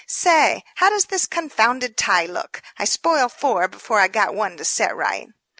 Say, how does this confounded tie look? I spoiled four before I got one to set right."